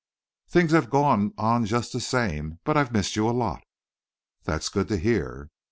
"Things have gone on just the same but I've missed you a lot!" "That's good to hear."